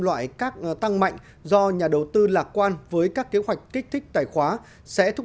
loại cắt tăng mạnh do nhà đầu tư lạc quan với các kế hoạch kích thích tài khoá sản phẩm